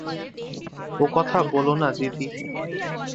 ও কথা বোলো না দিদি।